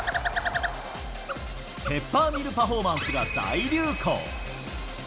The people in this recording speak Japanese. ペッパーミルパフォーマンスが大流行。